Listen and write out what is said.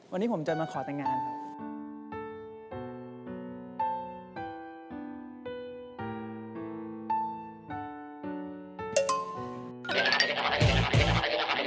วันนี้ผมจะมาขอแต่งงานครับ